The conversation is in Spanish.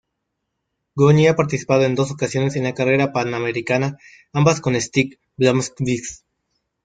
Goñi ha participado en dos ocasiones en La Carrera Panamericana, ambas con Stig Blomqvist.